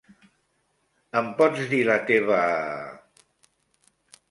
Em pots dir la teva.?